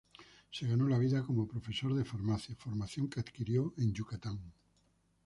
Se ganó la vida como profesor de farmacia, formación que adquirió en Yucatán.